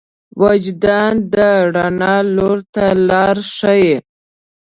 وجدان د رڼا لور ته لار ښيي.